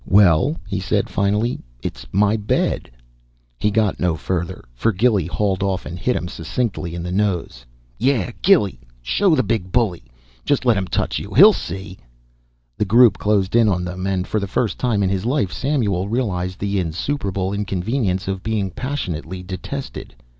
"Well," he said finally, "it's my bed " He got no further, for Gilly hauled off and hit him succinctly in the nose. "Yea! Gilly!" "Show the big bully!" "Just let him touch you he'll see!" The group closed in on them and for the first time in his life Samuel realized the insuperable inconvenience of being passionately detested.